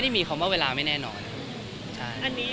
ครับครับครับครับครับครับครับครับครับครับครับครับครับครับครับ